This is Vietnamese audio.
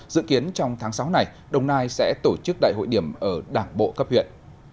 dự kiến trong tháng sáu này đồng nai sẽ tổ chức đại hội điểm ở đảng bộ cấp huyện